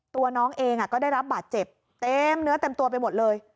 ตัวน้องเองก็ได้รับบาดเจ็บเต็มเนื้อเต็มตัวไปหมดเลย